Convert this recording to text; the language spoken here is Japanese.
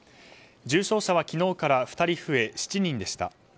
重症者は昨日から２人増え７人でした。